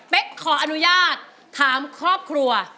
เป็นขออนุญาตถามครอบครัว